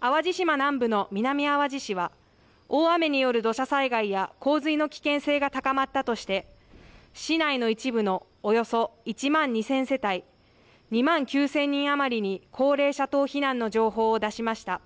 淡路島南部の南あわじ市は大雨による土砂災害や洪水の危険性が高まったとして市内の一部のおよそ１万２０００世帯２万９０００人余りに高齢者等避難の情報を出しました。